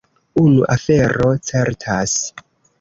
Unu afero certas.